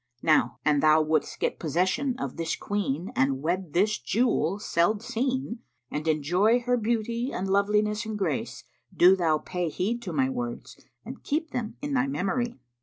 Now an thou wouldst get possession of this queen and wed this jewel seld seen and enjoy her beauty and loveliness and grace, do thou pay heed to my words and keep them in thy memory.